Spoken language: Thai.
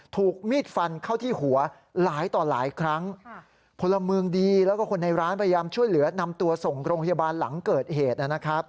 ถูกมีดฟันเข้าที่หัวหลายต่อหลายครั้งพลเมืองดีแล้วก็คนในร้านพยายามช่วยเหลือนำตัวส่งโรงพยาบาลหลังเกิดเหตุนะครับ